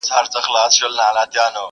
د مرګ غېږ ته ورغلی یې نادانه؛